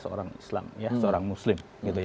seorang islam seorang muslim